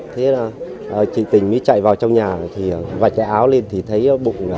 thế là chị tình mới chạy vào trong nhà thì vạch chạy áo lên thì thấy bụng